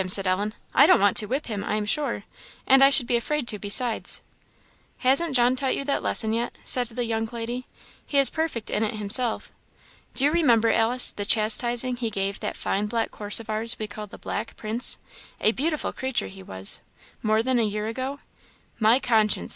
said Ellen; "I don't want to whip him, I am sure; and I should be afraid too, besides." "Hasn't John taught you that lesson, yet?" said the young lady; "he is perfect in it himself. Do you remember, Alice, the chastising he gave that fine black horse of ours we called the 'Black Prince' a beautiful creature he was more that a year ago? My conscience!